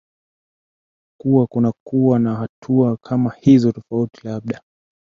kuwa kunakuwa na hatua kama hizo tofauti labda